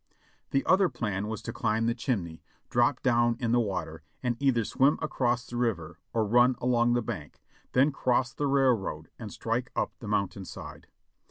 The other plan was to climb the chimney, drop down in the water, and either swim across the river or run along the bank, then cross the railroad and strike up the mountain side.